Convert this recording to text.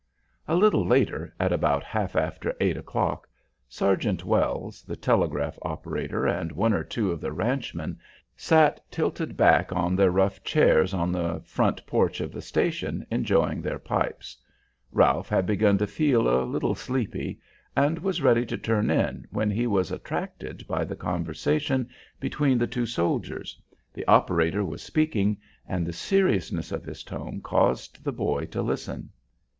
A little later at about half after eight o'clock Sergeant Wells, the telegraph operator, and one or two of the ranchmen sat tilted back in their rough chairs on the front porch of the station enjoying their pipes. Ralph had begun to feel a little sleepy, and was ready to turn in when he was attracted by the conversation between the two soldiers; the operator was speaking, and the seriousness of his tone caused the boy to listen.